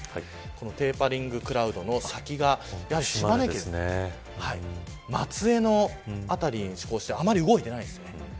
テーパリングクラウドの先がやはり島根県松江の辺りであんまり動いてないですね。